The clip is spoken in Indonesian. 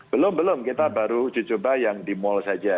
belum belum kita baru dicoba yang di mall saja